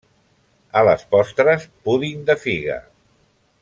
A les postres, púding de figa.